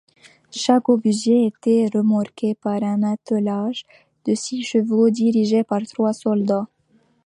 Chaque obusier était remorqué par un attelage de six chevaux dirigé par trois soldats.